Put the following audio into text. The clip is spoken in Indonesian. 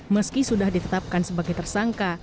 meski sudah ditetapkan sebagai tersangka